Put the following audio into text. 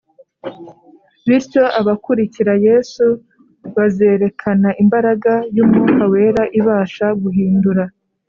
. Bityo abakurikira Yesu bazerekana imbaraga y’Umwuka Wera ibasha guhindura